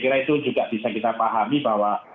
kira itu juga bisa kita pahami bahwa